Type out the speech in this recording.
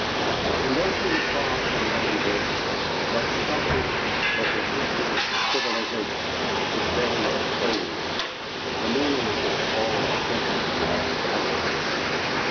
And though she was far from knowing this, that something was her country's civilisation, its very soul, the meaning of it all gentleness, balance.